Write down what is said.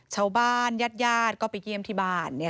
ชาวบ้านญาติก็ไปเยี่ยมที่บ้าน